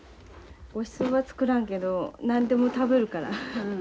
ごちそうは作らんけど何でも食べるから。